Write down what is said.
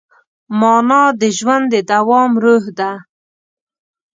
مانا د ژوند د دوام روح ده.